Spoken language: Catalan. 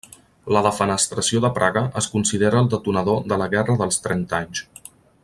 La defenestració de Praga es considera el detonador de la Guerra dels Trenta Anys.